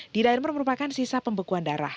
d dimer merupakan sisa pembekuan darah